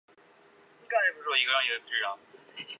日本的经济危机成为日后的侵略埋下伏笔。